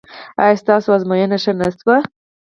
ایا ستاسو ازموینه ښه نه شوه؟